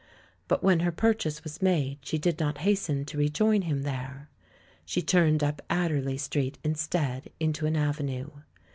But when her purchase was made, she, did not hasten to rejoin him there. She turned up Adderley Street, instead, into an avenue.